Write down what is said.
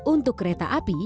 untuk kereta api